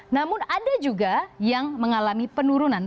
namun ada juga yang mengalami penurunan